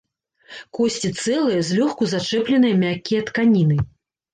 Косці цэлыя, злёгку зачэпленыя мяккія тканіны.